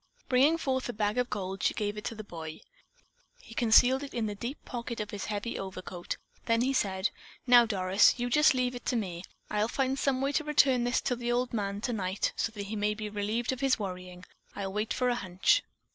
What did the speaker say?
Bringing forth the bag of gold, she gave it to the boy. He concealed it in the deep pocket of his heavy overcoat; then he said: "Now, Doris, you just leave it to me. I'll find some way to return this to the old man tonight so that he may be relieved of his worrying. I'll wait for a hunch."